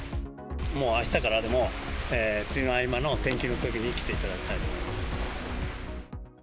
もうあしたからでも、梅雨の合間の天気のいいときに来ていただきたいと思います。